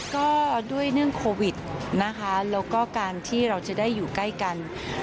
ก็ด้วยเรื่องโควิดนะคะแล้วก็การที่เราจะได้อยู่ใกล้กัน